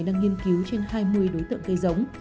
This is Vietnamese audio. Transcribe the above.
đang nghiên cứu trên hai mươi đối tượng cây giống